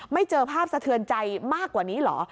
เจอภาพสะเทือนใจมากกว่านี้เหรอ